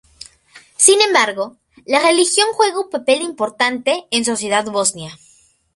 Sin embargo, la religión juega un papel importante en sociedad bosnia.